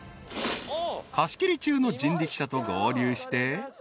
［貸し切り中の人力車と合流して］